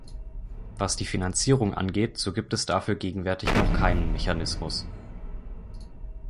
Was die Finanzierung angeht, so gibt es dafür gegenwärtig noch keinen Mechanismus.